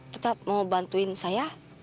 tetap mau bantuin saya